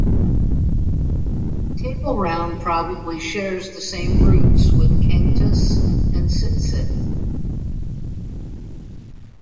Tableround probably shares the same roots with Cantus and Sitsit.